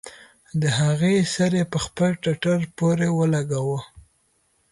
د هغې سر يې پر خپل ټټر پورې ولګاوه.